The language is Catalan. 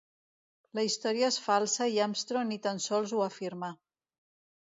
La història és falsa i Armstrong ni tan sols ho afirmà.